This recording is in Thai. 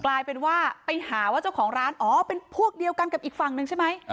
กลายเป็นว่าไปหาว่าเจ้าของร้านอ๋อเป็นพวกเดียวกันกับอีกฝั่งหนึ่งใช่ไหม